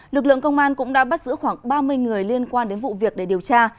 lực lượng công an cũng đã bắt giữ khoảng ba mươi người liên quan đến vụ việc để điều tra